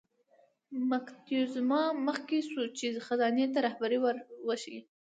موکتیزوما مخکې شو چې خزانې ته رهبري ور وښیي.